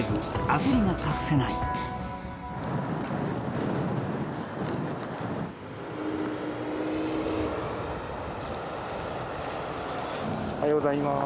おはようございます。